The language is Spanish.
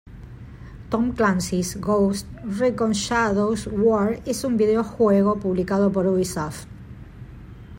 Tom Clancy´s Ghost Recon Shadow Wars es un videojuego publicado por Ubisoft.